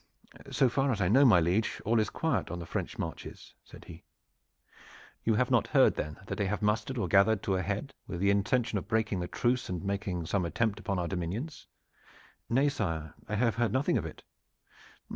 "So far as I know, my liege, all is quiet on the French marches," said he. "You have not heard then that they have mustered or gathered to a head with the intention of breaking the truce and making some attempt upon our dominions?" "Nay, sire, I have heard nothing of it."